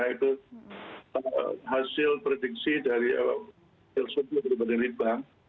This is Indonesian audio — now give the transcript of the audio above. itu hasil prediksi dari el subi berbanding ribang